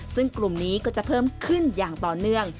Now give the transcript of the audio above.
ซึ่งกลุ่มนี้ก็จะเพิ่มขึ้นอย่างต่อเนื่อง